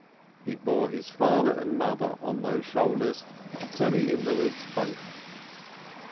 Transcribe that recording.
He bore his father and mother on those shoulders, semi invalids both.